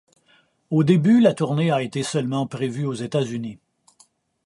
Au début, la tournée a été seulement prévue aux États-Unis.